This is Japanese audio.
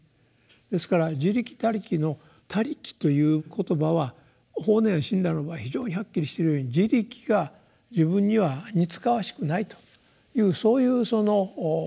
ですから「自力」「他力」の「他力」という言葉は法然親鸞の場合非常にはっきりしているように「自力」が自分には似つかわしくないというそういうそのま